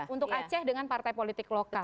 untuk aceh dengan partai politik lokal